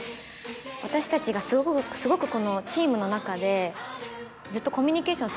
私たちがすごくこのチームの中でずっとコミュニケーション